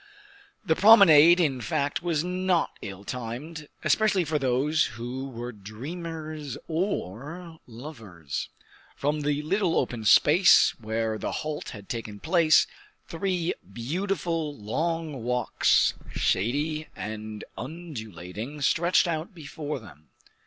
The promenade, in fact, was not ill timed, especially for those who were dreamers or lovers. From the little open space where the halt had taken place, three beautiful long walks, shady and undulating, stretched out before them.